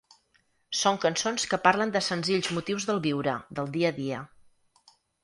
Són cançons que parlen de senzills motius del viure, del dia a dia.